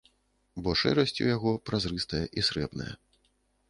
Бо шэрасць у яго празрыстая і срэбная.